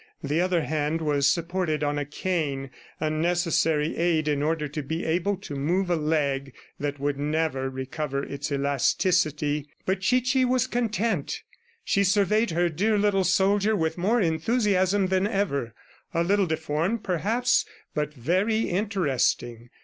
The other hand was supported on a cane, a necessary aid in order to be able to move a leg that would never recover its elasticity. But Chichi was content. She surveyed her dear little soldier with more enthusiasm than ever a little deformed, perhaps, but very interesting.